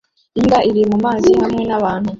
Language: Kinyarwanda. Imbwa iri mumazi hamwe nabantu